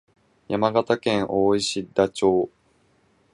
山形県大石田町